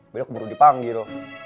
bila keburu dipanggil